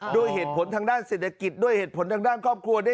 ด้วยเหตุผลทางด้านเศรษฐกิจด้วยเหตุผลทางด้านครอบครัว